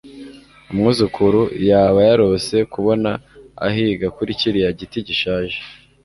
umwuzukuru yaba yarose kubona ahiga kuri kiriya giti gishaje